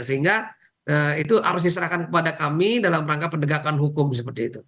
sehingga itu harus diserahkan kepada kami dalam rangka penegakan hukum seperti itu